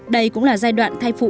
đây cũng là giai đoạn thai phụ